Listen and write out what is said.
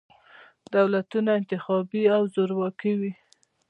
دولتونه انتخابي او زورواکي وي.